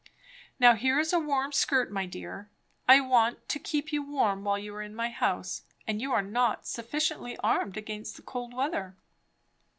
Now here is a warm skirt, my dear; I want to keep you warm while you are in my house, and you are not sufficiently armed against the cold weather.